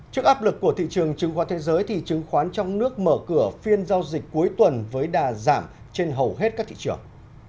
trước áp lực của thị trường chứng khoán thế giới thì chứng khoán trong nước mở cửa phiên giao dịch cuối tuần với đà giảm trên hầu hết các thị trường